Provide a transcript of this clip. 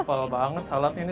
simple banget saladnya ini